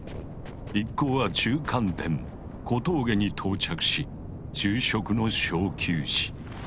一行は中間点・小峠に到着し昼食の小休止。